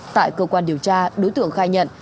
tại cơ quan điều tra đối tượng khai nhận